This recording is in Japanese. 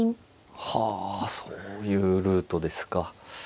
はあそういうルートですか。